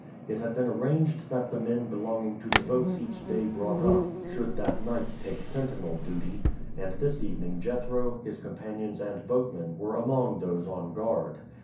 It had been arranged that the men belonging to the boats each day brought up should that night take sentinel duty; and this evening Jethro, his companions and boatmen were among those on guard.